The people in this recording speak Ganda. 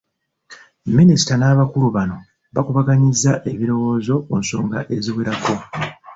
Minisita n'abakulu bano baakubaganyizza ebirowoozo ku nsonga eziwerako